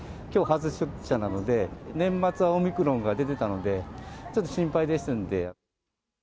きょう初出社なので、年末はオミクロンが出てたので、ちょっと心配ですんで。